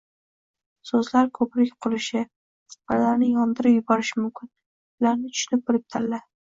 So‘zlar ko‘prik qurishi va ularni yondirib yuborishi mumkin. Ularni tushunib-bilib tanla.